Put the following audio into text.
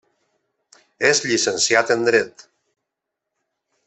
És llicenciat en dret.